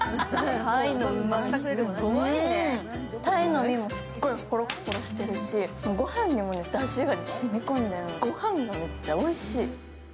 鯛の身もすっごいポロッポロしてるし、ご飯にだしが染み込んでるご飯がめっちゃおいしい。